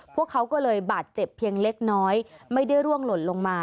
พวกเขาก็เลยบาดเจ็บเพียงเล็กน้อยไม่ได้ร่วงหล่นลงมา